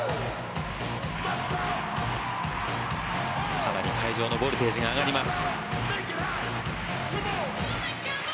更に会場のボルテージが上がります。